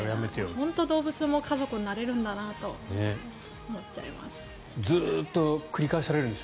本当に動物も家族になれるんだなと思っちゃいます。